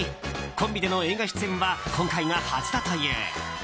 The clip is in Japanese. コンビでの映画出演は今回が初だという。